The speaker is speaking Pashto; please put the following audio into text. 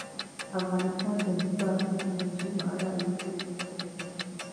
افغانستان د بادي انرژي په اړه علمي څېړنې لري.